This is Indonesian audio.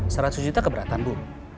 seratus juta keberatan bu